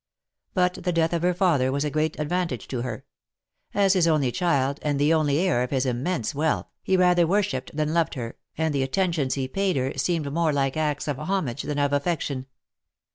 But the death of her father was a great advantage to her ; as his only child, and the only heir of his immense wealth, he rather wor ' shipped than loved her, and the attentions he paid her, seemed more like acts of homage than of affection.